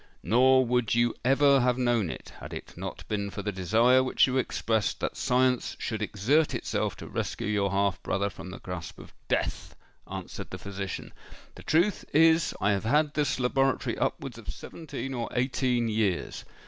"Nor would you ever have known it, had it not been for the desire which you expressed that science should exert itself to rescue your half brother from the grasp of death," answered the physician. "The truth is, I have had this laboratory upwards of seventeen or eighteen years.